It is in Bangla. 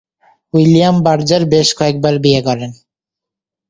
উইলিয়াম বার্জার বেশ কয়েকবার বিয়ে করেন।